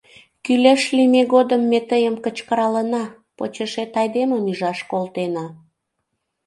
Кӱлеш лийме годым ме тыйым кычкыралына, почешет айдемым ӱжаш колтена.